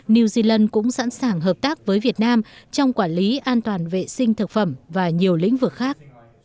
new zealand cũng sẵn sàng hợp tác với việt nam trong quản lý an toàn vệ sinh thực phẩm và nhiều lĩnh vực khác